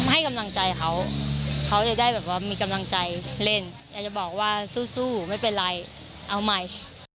ให้กำลังใจเขาเขาจะได้แบบว่ามีกำลังใจเล่นอยากจะบอกว่าสู้ไม่เป็นไรเอาใหม่